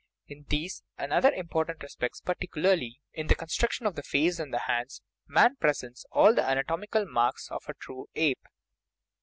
In these and other important respects, par 34 OUR BODILY FRAME ticularly in the construction of the face and the hands, man presents all the anatomical marks of a true ape.